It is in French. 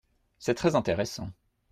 C’est très intéressant.